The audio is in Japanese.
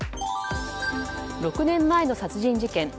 ６年前の殺人事件。